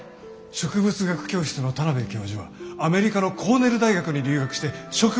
植物学教室の田邊教授はアメリカのコーネル大学に留学して植物学を学んでこられたんだ。